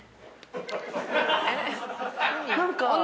何か。